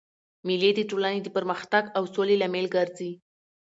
مېلې د ټولني د پرمختګ او سولي لامل ګرځي.